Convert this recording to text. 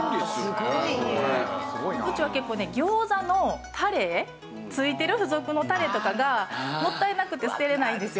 うちは結構ね餃子のタレ付いてる付属のタレとかがもったいなくて捨てられないんですよ。